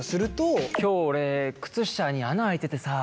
今日俺靴下に穴開いててさ。